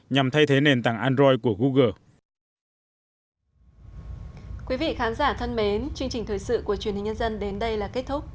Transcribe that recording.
nhằm thay thế nền tảng android của google